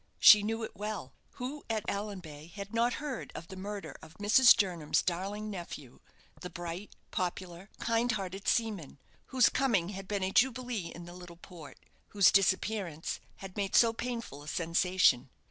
She knew it well. Who at Allanbay had not heard of the murder of Mrs. Jernam's darling nephew, the bright, popular, kind hearted seaman, whose coming had been a jubilee in the little port; whose disappearance had made so painful a sensation?